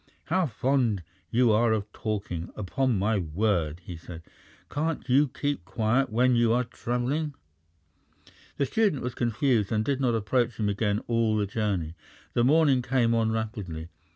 "How fond you are of talking, upon my word!" he said. "Can't you keep quiet when you are travelling?" The student was confused, and did not approach him again all the journey. The morning came on rapidly.